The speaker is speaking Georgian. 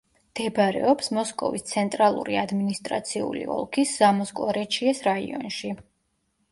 მდებარეობს მოსკოვის ცენტრალური ადმინისტრაციული ოლქის ზამოსკვორეჩიეს რაიონში.